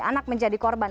anak menjadi korban